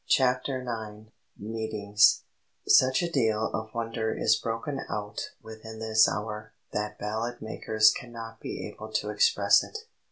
CHAPTER IX MEETINGS "Such a deal of wonder is broken out within this hour that ballad makers cannot be able to express it."